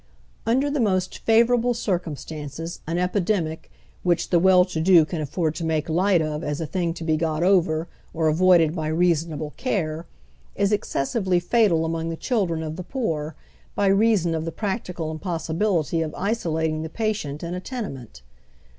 Under the most favorable circumstances, an epidemic, which the well to do can afford to make light of as a thing Co be got over or avoided by reasonable care, is excessively fatal among the children of the poor, by reason of t!ie practical impossibility of isolating the patient in a tene ment.